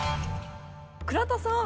倉田さん。